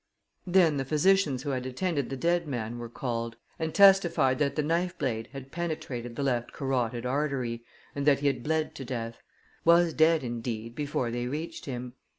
Then the physicians who had attended the dead man were called, and testified that the knife blade had penetrated the left carotid artery, and that he had bled to death was dead, indeed, before they reached him.